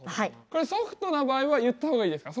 これソフトな場合は言った方がいいですか？